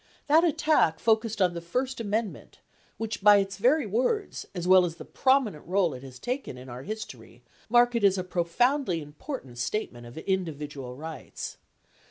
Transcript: That attack focused on the first amendment, which by its very words, as well as the prominent role it has taken in our history, mark it as a profoundly important statement of individual rights.